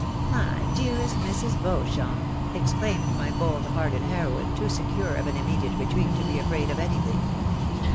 " My dearest Mrs. Beauchamp !" exclaimed my bold hearted heroine, too secure of an immediate retreat to be afraid of any thing.